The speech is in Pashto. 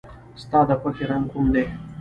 ستا د خوښې رنګ کوم دی؟